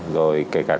rồi kể cả các cái